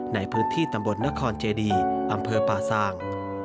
ในพื้นที่ตำบลนครเจดีอำเภอป่าซาง